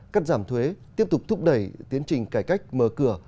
cắt giảm thuế tiếp tục thúc đẩy tiến trình cải cách mở cửa